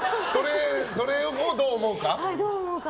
それをどう思うか。